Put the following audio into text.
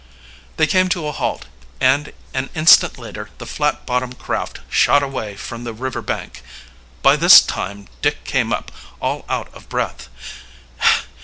They came to a halt, and an instant later the flat bottom craft shot away from the river bank. By this time Dick came up, all out of breath.